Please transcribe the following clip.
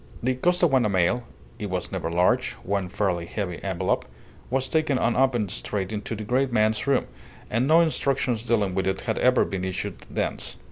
The Costaguana mail (it was never large one fairly heavy envelope) was taken unopened straight into the great man's room, and no instructions dealing with it had ever been issued thence.